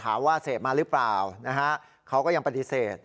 ถามว่าเศษมาหรือเปล่าเขาก็ยังปฏิเสธ